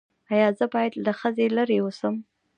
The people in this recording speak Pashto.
ایا زه باید له ښځې لرې اوسم؟